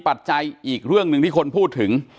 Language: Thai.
ปัจจัยอีกเรื่องหนึ่งที่คนพูดถึง